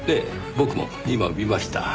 僕も今見ました。